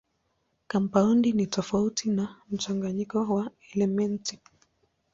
Kampaundi ni tofauti na mchanganyiko wa elementi.